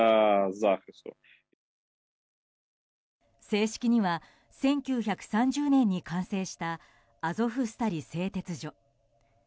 正式には１９３０年に完成したアゾフスタリ製鉄所。